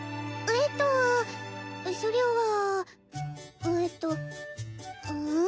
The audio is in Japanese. えっとそれはえっとうん？